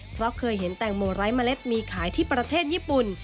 เพราะเคยเห็นแตงโมไร้เมล็ดมีขายที่ประเทศญี่ปุ่น